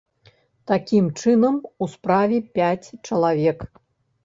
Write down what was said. Такім чынам, у справе пяць чалавек.